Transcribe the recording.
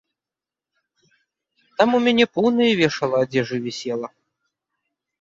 Там у мяне поўнае вешала адзежы вісела.